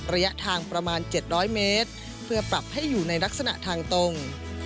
ระยะทางประมาณ๗๐๐เมตรเพื่อปรับให้อยู่ในลักษณะทางตรง